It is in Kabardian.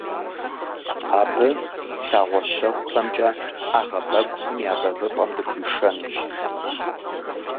Абы лъагъуэ щэхухэмкӀэ ӏэгъэбэгухэм я бэвыпӀэм дыхуишэнущ.